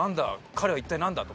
彼は一体なんだ？と。